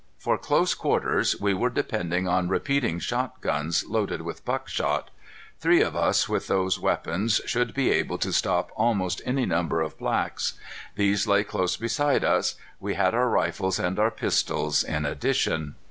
For close quarters, we were depending on repeating shotguns loaded with buckshot. Three of us with those weapons should be able to stop almost any number of blacks. These lay close beside us. We had our rifles and our pistols in addition.